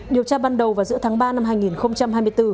điều tra ban đầu vào giữa tháng ba năm hai nghìn hai mươi bốn